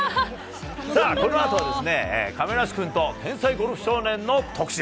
さあ、このあとは亀梨君と天才ゴルフ少年の特集。